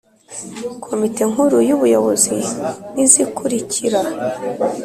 Komite Nkuru y Ubuyobozi ni izikurikira